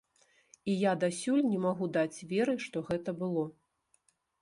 І я дасюль не магу даць веры, што гэта было.